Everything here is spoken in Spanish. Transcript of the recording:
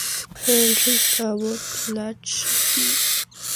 Henry Cabot Lodge, Jr.